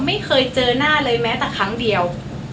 ไม่เคยเจอหน้าเลยแม้แต่ครั้งเดียว